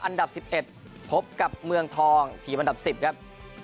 อันดับ๑๑พบกับเมืองทองทีมอันดับ๑๐ครับ